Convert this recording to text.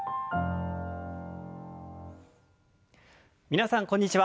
皆さんこんにちは。